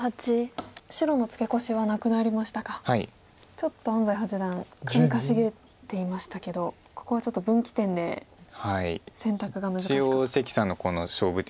ちょっと安斎八段首かしげていましたけどここはちょっと分岐点で選択が難しかったと。